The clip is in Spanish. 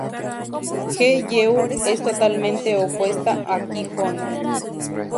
Hee-yeol es totalmente opuesto a Ki-joon.